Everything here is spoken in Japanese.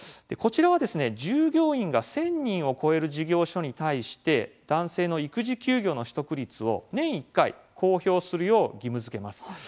こちらは従業員が１０００人を超える事業所に対して男性の育児休業の取得率を年１回公表するよう義務づけます。